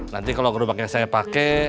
nanti kalau gerobaknya saya pakai